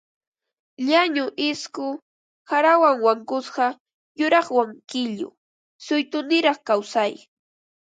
Llañu isku qarawan wankusqa yuraqwan qillu suytuniraq kawsay